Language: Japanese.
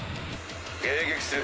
迎撃する。